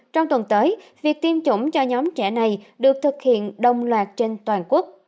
trong tuần tới việc tiêm chủng cho nhóm trẻ này được thực hiện đồng loạt trên toàn quốc